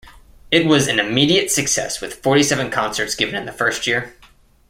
It was an immediate success with forty seven concerts given in the first year.